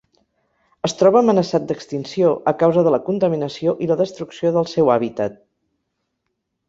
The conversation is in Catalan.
Es troba amenaçat d'extinció a causa de la contaminació i la destrucció del seu hàbitat.